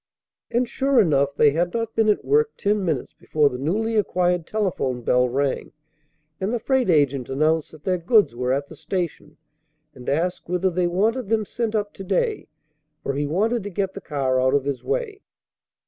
And, sure enough, they had not been at work ten minutes before the newly acquired telephone bell rang, and the freight agent announced that their goods were at the station, and asked whether they wanted them sent up to day, for he wanted to get the car out of his way.